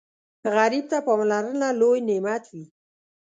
غریب ته پاملرنه لوی نعمت وي